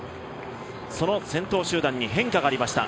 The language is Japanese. その先頭集団に変化がありました。